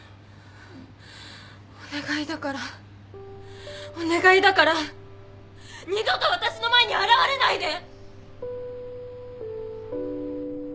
お願いだからお願いだから二度と私の前に現れないで！